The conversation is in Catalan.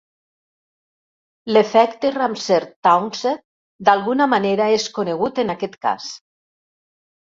L'efecte Ramseur-Townsend d'alguna manera és conegut en aquest cas.